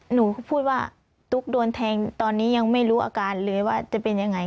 หนูก็พูดว่าตุ๊กโดนแทงตอนนี้ยังไม่รู้อาการเลยว่าจะเป็นยังไง